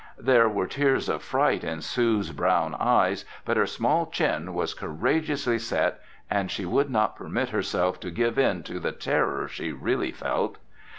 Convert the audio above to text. There were tears of fright in Sue's brown eyes but her small chin was courageously set and she would not permit herself to give in to the terror she really felt.